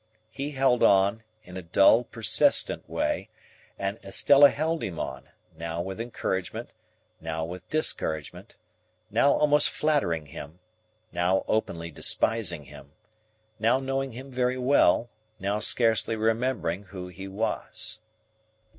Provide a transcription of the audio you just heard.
He held on, in a dull persistent way, and Estella held him on; now with encouragement, now with discouragement, now almost flattering him, now openly despising him, now knowing him very well, now scarcely remembering who he was.